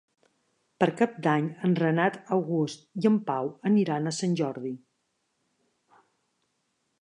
Per Cap d'Any en Renat August i en Pau aniran a Sant Jordi.